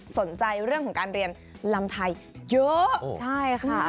สนใจเรื่องของการเรียนรำไทยเยอะ